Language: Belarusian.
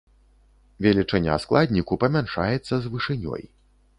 Велічыня складніку памяншаецца з вышынёй.